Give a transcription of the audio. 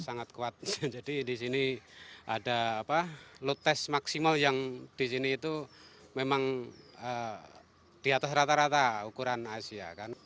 sangat kuat jadi di sini ada load test maksimal yang di sini itu memang di atas rata rata ukuran asia